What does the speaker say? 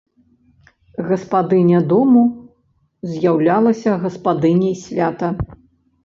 Гаспадыня дому з'яўлялася гаспадыняй свята.